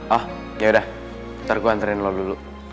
oh yaudah ntar gue anterin lo dulu